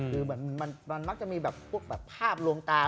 คือมันมักจะมีแบบภาพลวงตา